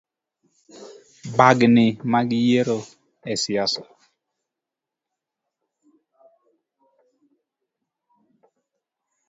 Bagni mag yiero esiasa